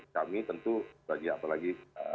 kami tentu lagi apalagi